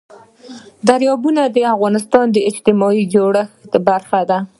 دریابونه د افغانستان د اجتماعي جوړښت برخه ده.